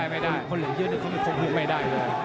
ไม่ได้คนเหลี่ยมเยอะก็คงไม่ได้เลย